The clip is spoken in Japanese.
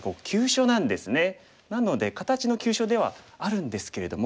なので形の急所ではあるんですけれども。